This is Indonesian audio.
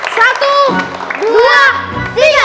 satu dua tiga